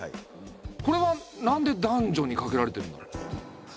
これは何で男女にかけられてるんだろう？